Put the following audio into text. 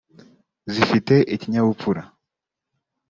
zifite ikinyabupfura